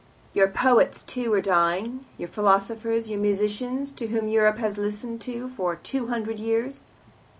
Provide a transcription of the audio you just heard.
Your poets too are dying, your philosophers, your musicians, to whom Europe has listened for two hundred years.